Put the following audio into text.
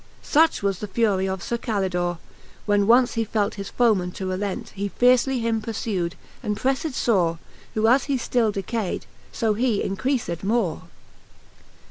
Such was the fury of Sir Calidore^ When once he felt his foeman to relent \ He fiercely him purfii'd, and prelled fore, Who as he flill decayd, fb he encreafed more.